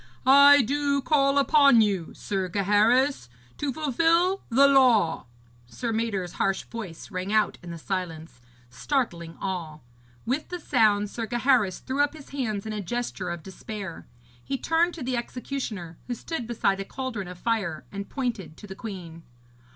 'I do call upon you, Sir Gaheris, to fulfil the law!' Sir Mador's harsh voice rang out in the silence, startling all. With the sound, Sir Gaheris threw up his hands in a gesture of despair. He turned to the executioner, who stood beside a cauldron of fire, and pointed to the queen.